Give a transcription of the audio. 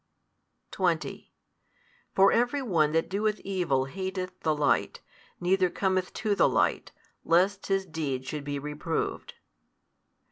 20 For every one that doeth evil hateth the light, neither cometh to the light, lest his deeds should be reproved.